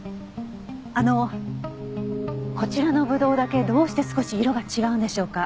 あのこちらのぶどうだけどうして少し色が違うんでしょうか？